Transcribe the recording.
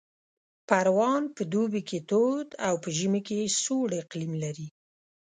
پروان په دوبي کې تود او په ژمي کې سوړ اقلیم لري